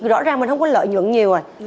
rõ ràng mình không có lợi nhuận nhiều